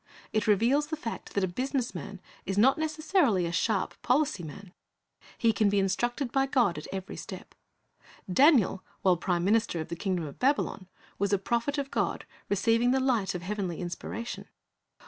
It reveals the fact that a business man is not necessarily a sharp, policy man. He can be instructed by God at eveiy step. Daniel, while jDrime minister of the kingdom of Babylon, was a prophet of God, receiving the light of heavenly inspiration.